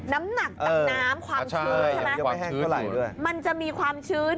น้ำหนักต่ำน้ำความชื้นหรือเปล่ากว่าไม่แห้งเท่าไหร่มันจะมีความชื้น